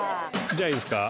じゃあいいですか。